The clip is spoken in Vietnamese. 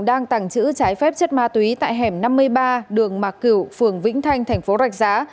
đang tàng trữ trái phép chất ma túy tại hẻm năm mươi ba đường mạc cửu phường vĩnh thanh thành phố rạch giá